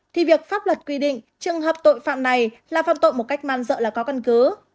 thì việc pháp luật quy định trường hợp tội phạm này là phạm tội một cách man dợ là có căn cứ